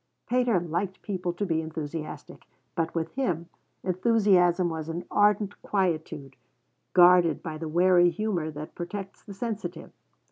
Pater liked people to be enthusiastic, but, with him, enthusiasm was an ardent quietude, guarded by the wary humour that protects the sensitive.